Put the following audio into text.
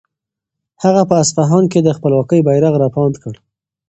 هغه په اصفهان کې د خپلواکۍ بیرغ رپاند کړ.